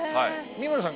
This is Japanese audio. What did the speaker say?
三村さん